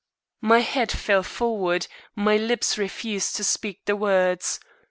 My head fell forward; my lips refused to speak the words.